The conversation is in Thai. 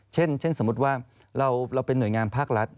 เช่นสมมุติว่าเราเป็นหน่วยงานภาครัฐ